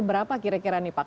berapa kira kira nih pak